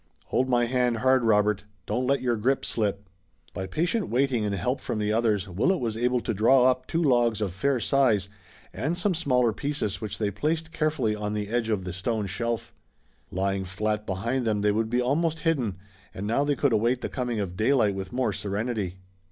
Hold my hand hard, Robert. Don't let your grip slip." By patient waiting and help from the others Willet was able to draw up two logs of fair size, and some smaller pieces which they placed carefully on the edge of the stone shelf. Lying flat behind them, they would be almost hidden, and now they could await the coming of daylight with more serenity.